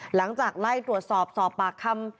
หลังจากไล่ตรวจสอบสอบปากคำ